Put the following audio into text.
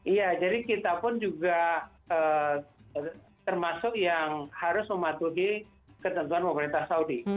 iya jadi kita pun juga termasuk yang harus mematuhi ketentuan pemerintah saudi